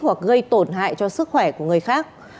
hoặc gây tổn hại cho sức khỏe của người khác